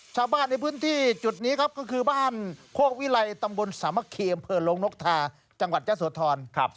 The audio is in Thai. ชาวบ้านในพื้นที่จุดนี้ครับก็คือบ้านโคกวิไลตำบลสามะคีอำเภอลงนกทาจังหวัดยะโสธร